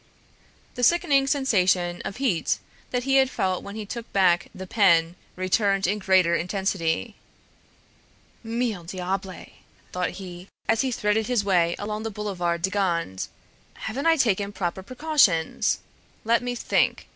The sickening sensation of heat that he had felt when he took back the pen returned in greater intensity. "Mille diables!" thought he, as he threaded his way along the Boulevard de Gand, "haven't I taken proper precautions? Let me think!